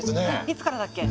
いつからだっけ？